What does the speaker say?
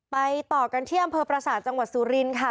ต่อกันที่อำเภอประสาทจังหวัดสุรินทร์ค่ะ